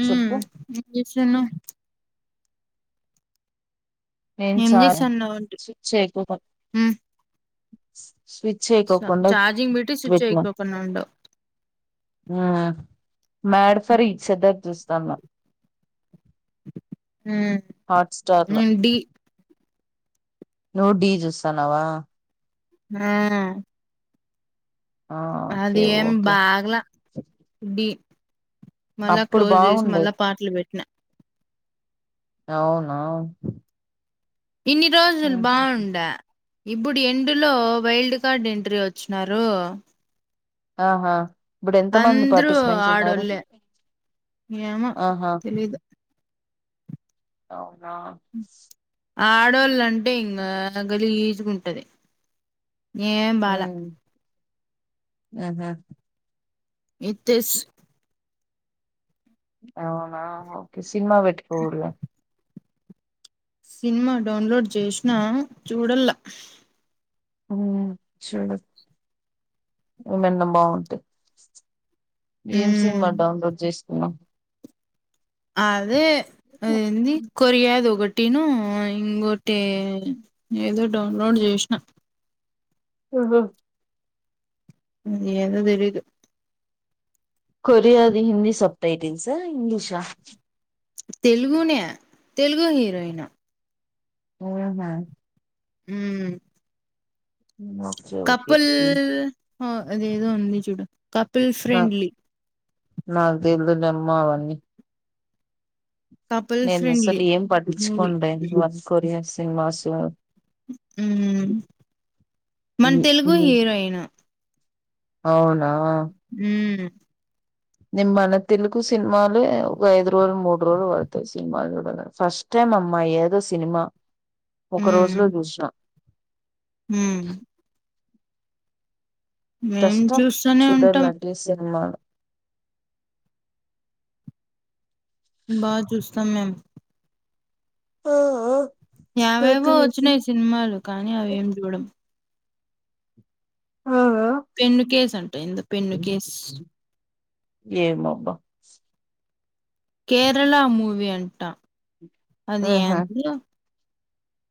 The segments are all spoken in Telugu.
ఉమ్ చెప్పు ఏం జేస్తున్నవ్ నేన్ ఏం చాయ్ చేస్తున్నావ్ అంటి స్విచ్ యేకోకుండా హ్మ్ స్విచ్ చ యేకోకుండా చార్జింగ్ పెట్టి స్విచ్ పెట్నాం ఎయ్యికోకుండా ఉండవ్ ఆ మ్యాడ్ ఫర్ ఈచ్ అదర్ జూస్తాన్నాం ఉమ్ హాట్ స్టార్ లో నేన్ ఢీ నువ్వు ఢీ జూస్తానావా ఆ ఆ ఓకే అది ఏం ఓకే బాగలే ఢీ మళ్ళా అప్పుడు క్లోజ్ జేసి బాగుండే మళ్ళా పాటలు పెట్టినా అవునా ఇన్ని రోజులు బాగుండా ఇప్పుడు ఎండ్ లో వైల్డ్ కార్డ్ ఎంట్రీ వచ్చిన్నారు ఆహా ఇప్పుడు ఎంత మంది పార్టిస్పెంట్స్ ఉన్నారు ఆడోళ్ళే ఏమో ఆహా తెలీదు అవునా ఆడోళ్ళంటే ఇంగా గలీజ్ గుంటది ఏం బాలే ఆహా ఇ త్తేస్ అవునా ఓకే సినిమా బెట్కో ఇగ సినిమా డౌన్లోడ్ జేసినా చూడల్లా చూడు ఏమన్నా బాగుంటే ఏం సినిమా ఉమ్ డౌన్లోడ్ జేసుకున్నాం అదే అదేంది చేసుకున్నావ్ కొరియాది ఒకటి టిను ఇంగోటి ఏదో డౌన్లోడ్ జేసిన ఆహా ఉమ్ ఏదో తెలీదు కొరియాది హిందీ సబ్ టైటిల్స్ ఆ ఇంగ్లీషా తెలుగునే తెలుగు హీరోయిన్ ఉమ్ హు ఉమ్ ఓకే ఓకే కపుల్ అదేదో ఉంది చూడు కపుల్ నా ఫ్రెండ్లీ నాకు దెలువదమ్మా అవన్నీ కపుల్ నేను అసలు ఫ్రెండ్లీ ఏం మూవీ పట్టించుకోన్ లే కొరియన్ సినిమాస్ ఉమ్ మన తెలుగు హీరోయిన్ అవునా ఉమ్ నేన్ మన తెలుగు సినిమాలే ఓ ఐదు రోజులు మూడు రోజులు బడ్డతయ్ సినిమాల్ జూడడానికి అమ్మమ్మ ఏదో సినిమా ఒక రోజు ఉమ్ లో జూసినా ఉమ్ మేం కష్టం చూస్తూనే ఉంటాం చూడాలంటే సినిమాలు బాగా జూస్తాం మేమ్ ఆ ఆ నాకు యావైవో తెలిసి వచ్చినాయి సినిమాలు కానీ అవేం చూడం ఆ ఆ పెన్ను కేసు అంటా ఏందో పెన్ను కేస్ ఏమో అబ్బా కేరళ మూవి అంటం అది ఏం ఆహా [inaudible]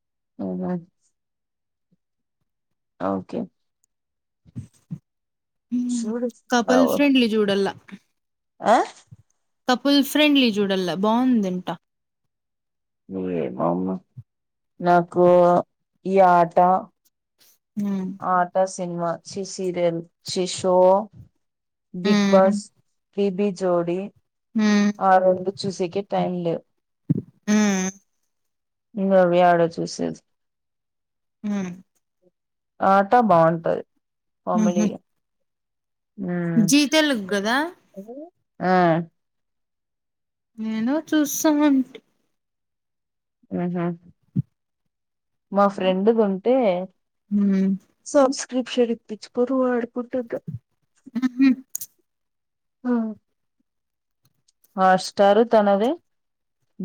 [inaudible] ఓకే హ్మ్ చూడు కపల్ అవ్- ఫ్రెండ్లీ చూడలా ఆ కపుల్ ఫ్రెండ్లీ చూడల్లా బాగుందంట ఏమోమ్మ నాకు ఈ ఆట హ్మ్ ఆటా సినిమా చీ సీరియల్ చీ షో బిగ్ హ్మ్ బాస్ బిబి జోడి హ్మ్ ఆ రెండు చూసకె టైమ్ మ్మ్ ఇంగ అవి యాడ చూసేది మ్మ్ ఆటా బాగుంటది ఊహూ కామెడి మ్మ్ జీ తెలుగు కదా మ్మ్ నేనూ చూస్తున్నాన్ ఊహ్మ్ మా ఫ్రెండుదుంటే ఉమ్ [inaudible] షేర్ ఇప్పిచుకోని వాడుకుంటున్న ఉ హ్మ్ మ్ హాట్స్టారు తనదే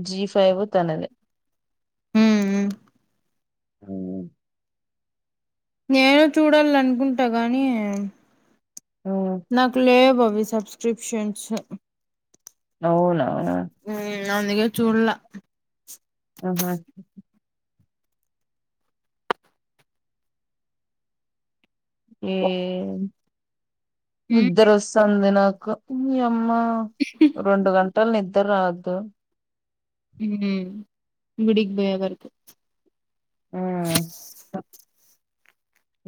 జి ఫైవ్ తనదే హ్మ్ ఉమ్మ్ నేను చూడాల అనుకుంటా కాగానీ ఉమ్ నాకు లే వి సబ్స్క్రిప్షన్స్ అవునా ఉమ్ అందికే చూడల ఆహా ఏ హ్మ్ నిద్దరొస్తాంది నాకు యమ్మ రెండు గం టల్ నిద్దరాద్దు హ్మ్ గుడికిపోయే వరకు ఉమ్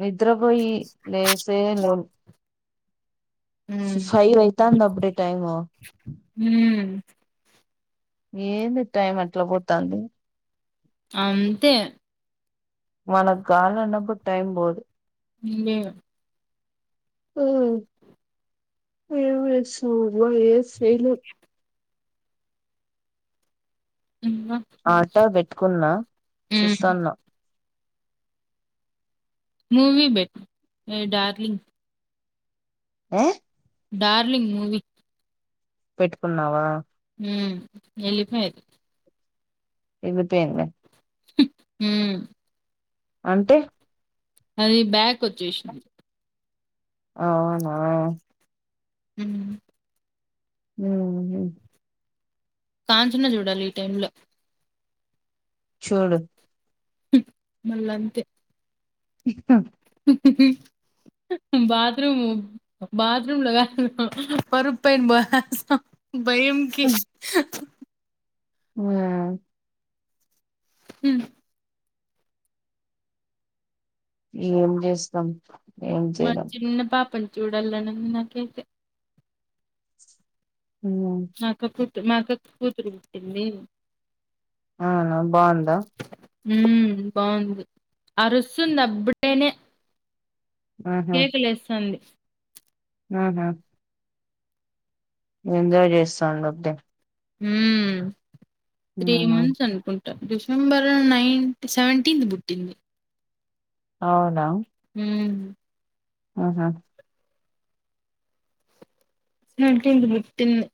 నిద్రపోయి లేసే లో హ్మ్ ఫైవ్ ఐతాంది అప్పుడే టైము హ్మ్ ఏంది టైం అట్లా పోతాంది అంతే మన కాలన్నప్పుడు టైం పోదు ఇంగేమి ఆ ఏం జేస్తం అబ్బ ఏం చెయ్యలేం ఇంగ ఆట బెట్కున్నా హ్మ్. చూస్తాన్నా మూవీ బెట్ ఏ డార్లింగ్ ఏ డార్లింగ్ మూవీ పెట్టుకున్నావా ఉమ్ ఎళ్లిపయద్ ఏళ్ళిపోయింద హు ఊ అంటె అది బ్యాక్ ఒచ్చేశింది ఔనా ఉ ఊ ఉ కాంచన చుడాలి ఈ టైమ్లో చూడు హు మళ్ళంతే ఇ హా హు హు బాత్రూము బాత్రూమ్లో గాదు పరుప్ పైన బోస్ తా భయంకి హా ఉ అ ఉ ఏం జేస్తం ఏం చేయ్లెం చూడల్లని ఉంది నాకైతే ఊ ట్ మాకక్ కూతురు పుట్టింది ఆహా బాంద ఊ బాంది అరుస్సుంది అప్పుడేనే కేకలేస్సంది ఆహా ఏంజయ్ జేస్తాంది అబ్డే ఊ త్రీ హ్మ్. మంత్స్ అన్కుంట డిశంబర్ నైన్ట్ సేవంటీన్ పుట్టింది ఔన ఊమ్ అహా టిన్కి పుట్టింది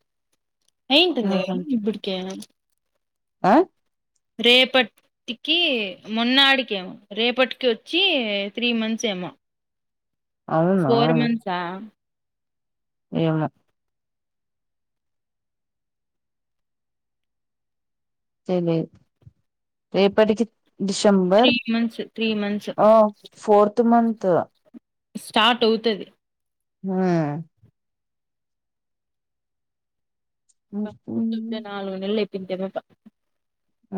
అయ్యింటుంది గదా ఇబ్బుడికే అ రేపట్ కి మొన్నాడికేమో రేపటికి ఒచ్చి త్రీ మంత్స్ ఎ మో అవునా? ఫోర్ మంన్స్ ఆ ఏమో తెలీద్ రేపట్కి three December months three months ఓ ఫోర్త్ మంత్ స్టాట్ ఔతది హ బక్ హుహు. రుత్ నలుగునెల్లైపోయింది తెర్వక ఆ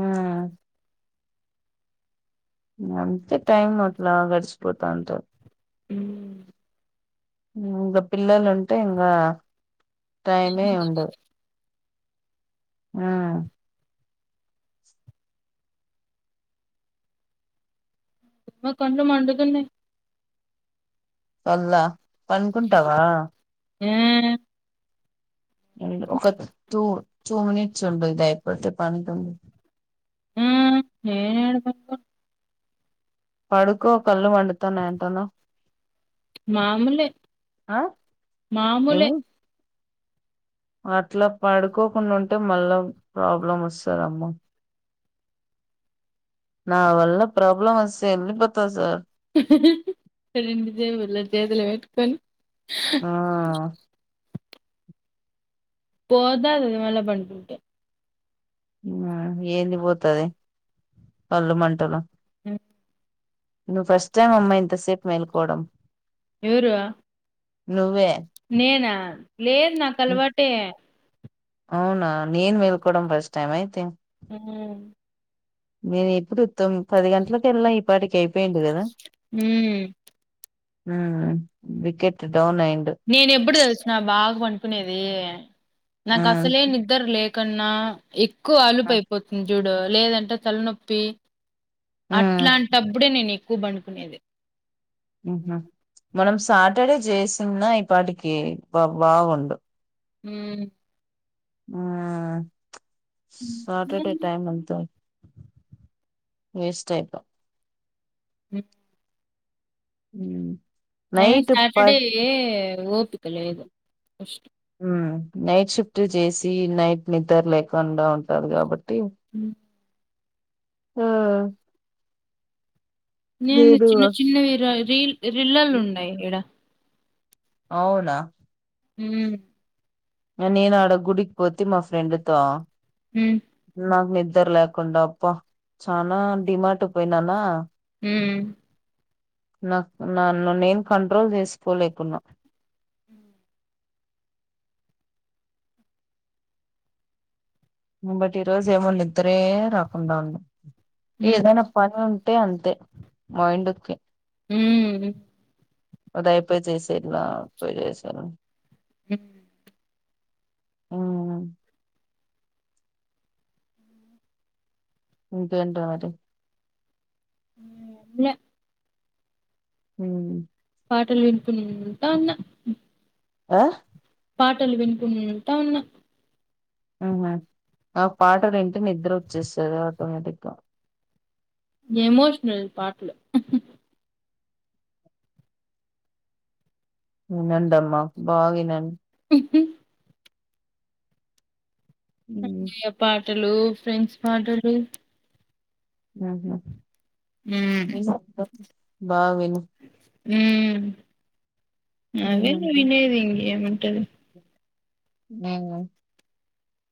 అంతె టైమ్ అట్లా గడ్చిపోతాంటా ఇంక పిల్లలు ఉంటే ఇంగా టైమే ఉండదు ఆ మ కండ్లు మండుతున్నయ్ కళ్ళ పండుకుంటవా యా అ ఒక తూ తూ మినిట్స్ ఉండ దయపోడితే పని తండది ఉమ్ నేనెండా పడుకో కళ్ళు మండుతనై అంటానవు. మాముూలే ఆ ఏమ అట్లా పడుకోకుండా ఉంటే మళ్ళా ప్రాబ్లం వస్తా దమ్మ నా వాళ్ళ ప్రాబ్లం వస్తే ఎల్లీ పోత సార్ హహ రెండు జేబులు చేతుల పెట్టుకొని ఆ పోదా అది మళ్ళ పండుకుంటే ఆ ఏంది పోతది కల్లు మంటలు అ నువ్వు ఫస్ట్ టైమ్ అమ్మాయి ఇంతసేపు మేల్కోవడం ఎవరు నువ్వే నేనా లేదు నాకు అలవాటే అవునా నేన్ మెల్కడం ఫస్ట్ టైమ్ అయితే అ నేను ఎప్పుడు తోం పది గంటలకు వెళ్న ఈ పాటికి అయి ఉమ్ హ వికెట్ డౌన్ అయింది నేను ఎప్పుడు తెలిసిన బాగా పనుకునేది నాకు ఉమ్, అసలే నిద్దరు లేక కన్నా ఎక్కువ ఆలుపు ఆ అయిపోతుంది చూడు ఉమ్ లేదంటే తలనొప్పి అట్లాంటప్పుడే నేను ఎక్కువ బండుకునేది హ మనం సాటర్డే చేసిన ఈ పాటికి బాగుండు మ్మ్ ఆ సటర్డే టైమ్ అంత వేస్ట్ ఐపో అ హ్మ్ ఏ సాటర్డే యే ఓపిక లేదు. నైట్ షిఫ్ట్ చేసి నైట్ నిద్ర లేకుండా ఉంటారు కాబట్టి ఉ ఆ నేను ఏడు చిన్న చిన్నవి రిల్ రిల్లలు ఉన్నాయి ఇడ అవునా ఉమ్ నేను ఆడ గుడికి పోతే మా ఫ్రెండ్తో ఉం నాకు నిద్ర లేకుండా అబ్బ చనా డిమాార్ట్ పోయినానా ఉం నా నన్ను నేను కంట్రోల్ చేసుకోలేకున్నా అ బట్ ఈ రోజు ఏమో నిద్దరే రాకుండా ఉంది హ్మ్ ఏదైనా పని ఉ అంతే అంతే మైండకి ఉమ్ అదాపోయి చేసేలా పోయి చేస హ ఉమ్ ఇంకేంట్రా మరి ఎం లే హ పాటలు వినుకుంటా ఉన్న ఆ పాటలు వినుకుంటాఉన్నా ఆహ ఆ పాటలు వింటే నిద్ర వచ్చేసాది ఆటోమేటిక్ గా ఎమోషనల్ పాట్లు వినండమ్మ బాగా వినండి ఇప్పటి ఉమ్, అన్న్య పాటలు ఫ్రెండ్స్ పాటలు ఆహా హ్మ్ బాగా విన్ను ఉమ్మ్ అవే ఉమ్, వినేది ఇంకేముంటది మ్మ్